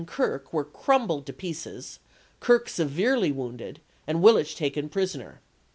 Kirk were crumbled to pieces, Kirk severely wounded, and Willich taken prisoner.